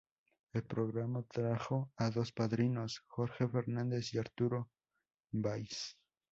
El programa trajo a dos padrinos: Jorge Fernández y Arturo Valls.